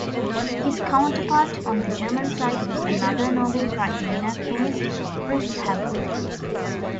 His counterpart on the German side was another Nobel Prize-winning chemist, Fritz Haber.